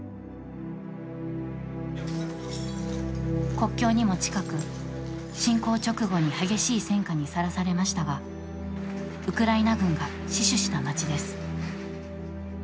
国境にも近く、侵攻直後に激しい戦禍にさらされましたがウクライナ軍が死守した町です。